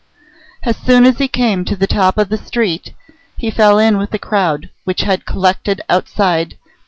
As soon as he came to the top of the street, he fell in with the crowd which had collected outside No.